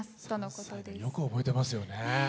３歳でよく覚えてますよね。